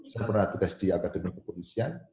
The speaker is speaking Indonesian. saya pernah tugas di akademi kepolisian